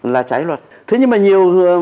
là trái luật thế nhưng mà nhiều